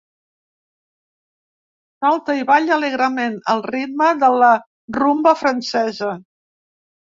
Salta i balla alegrement al ritme de la rumba francesa.